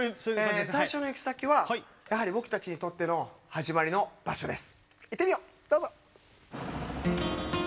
最初の行き先は僕たちにとっての始まりの場所です。